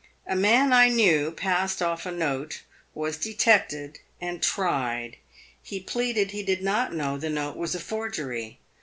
A man I knew passed off a note, was detected and tried. He pleaded he did not know the note was a forgery.